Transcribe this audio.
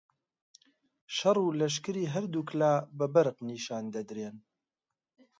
شەڕ و لەشکری هەردووک لا بە بەرق نیشان دەدرێن